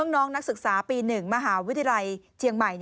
น้องนักศึกษาปี๑มหาวิทยาลัยเชียงใหม่